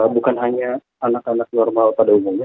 bukan hanya anak anak normal pada umumnya